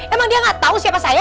emang dia gak tau siapa saya